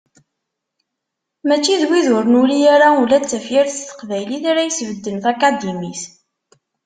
Mačči d wid ur nuri ula d tafyirt s teqbaylit ara yesbedden takadimit.